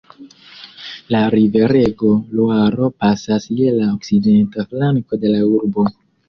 La riverego Luaro pasas je la okcidenta flanko de la urbo.